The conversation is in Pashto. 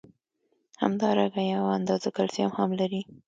همدارنګه یو اندازه کلسیم هم لري.